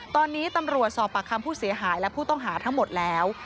ตอนนี้ตำรวจสอบปากคำผู้เสียหายและผู้ต้องหาทั้งหมดแล้ว